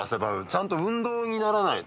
ちゃんと運動にならないと。